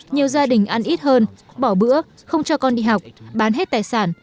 nhiều gia đình ăn ít hơn bỏ bữa không cho con đi học bán hết tài sản